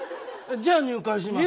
じゃあ入会します。